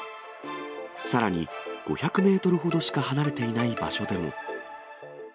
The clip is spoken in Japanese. さらに、５００メートルほどしか離れていない場所でも。